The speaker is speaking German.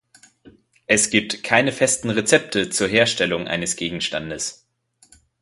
Es gibt keine festen Rezepte zur Herstellung eines Gegenstandes.